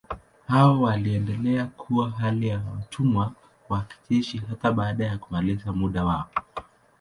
Hao waliendelea kuwa hali ya watumwa wa kijeshi hata baada ya kumaliza muda wao.